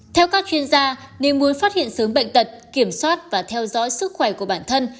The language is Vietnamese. theo các chuyên gia nếu muốn phát hiện sớm bệnh tật kiểm soát và theo dõi sức khỏe của bản thân